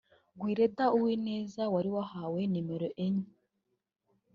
Guelda Uwineza wari wahawe nimero enye